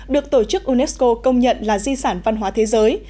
được tổ chức unesco công nhận là di sản văn hóa thế giới